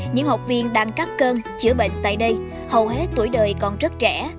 những học viên đang cắt cơn chữa bệnh tại đây hầu hết tuổi đời còn rất trẻ